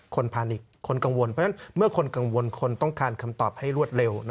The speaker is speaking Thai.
พานิกคนกังวลเพราะฉะนั้นเมื่อคนกังวลคนต้องการคำตอบให้รวดเร็ว